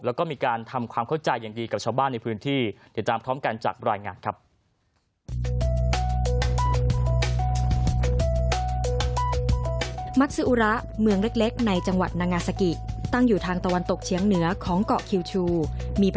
แล้วก็มีการทำความเข้าใจอย่างดีกับชาวบ้านในพื้นที่